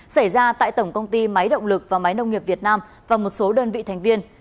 xảy ra tại tổng công ty máy động lực và máy nông nghiệp việt nam và một số đơn vị thành viên